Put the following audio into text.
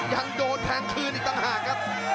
ยังโดนแทงคืนอีกต่างหากครับ